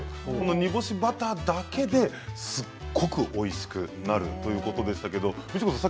煮干しバターだけですごくおいしくなるということでしたがミチコさん